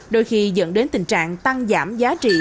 đôi khi dẫn đến tình trạng tăng giảm giá trị